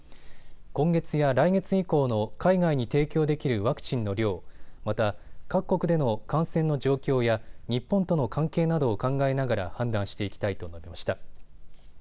今月や来月以降の海外に提供できるワクチンの量、また各国での感染の状況や日本との関係などを考えながら判断していきたいと述べました。